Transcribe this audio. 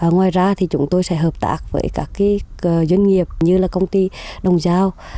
ngoài ra thì chúng tôi sẽ hợp tác với các doanh nghiệp như là công ty đồng giao